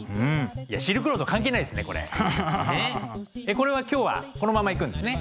これは今日はこのままいくんですね？